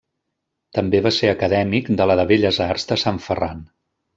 També va ser acadèmic de la de Belles arts de Sant Ferran.